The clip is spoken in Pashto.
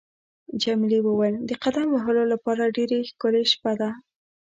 جميلې وويل: د قدم وهلو لپاره ډېره ښکلې شپه ده.